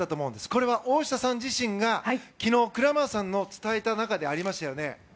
これは大下さん自身が昨日、クラマーさんの伝えた中でありましたよね。